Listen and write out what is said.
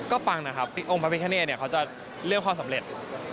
ก็ปังนะครับองค์พระพิคเนตเขาจะเลือกความสำเร็จ